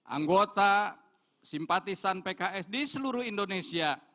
anggota simpatisan pks di seluruh indonesia